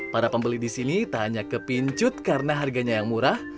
para pembeli di sini tak hanya kepincut karena harganya yang murah